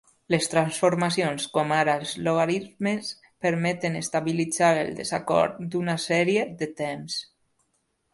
Les transformacions com ara els logaritmes permeten estabilitzar el desacord d'una sèrie de temps.